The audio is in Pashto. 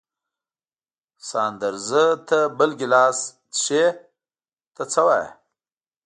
ساندرزه ته بل ګیلاس څښې، ته څه وایې؟